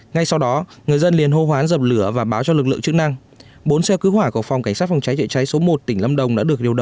ngay sau đó người dân liền hô hoán dập lửa và báo cho lực lượng chức năng